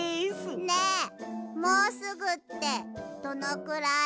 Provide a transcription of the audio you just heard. ねえもうすぐってどのくらい？